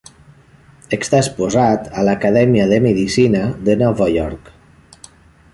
Està exposat a l'Acadèmia de Medicina de Nova York.